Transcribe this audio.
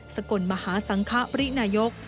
สกลมหาสังคปรินายก